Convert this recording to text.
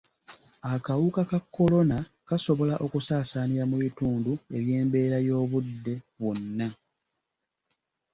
Akawuka ka Kolona kasobola okusaasaanira mu bitundu eby’embeera y’obudde bwonna.